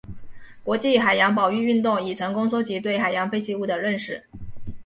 国际海洋保育运动已成功收集对海洋废弃物的认识。